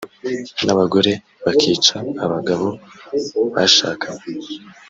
nabagore bakica abagabo bashakanye